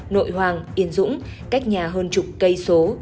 nội hoàng yên dũng cách nhà hơn chục cây số